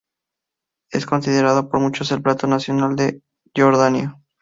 Es considerado por muchos el plato nacional de Jordania.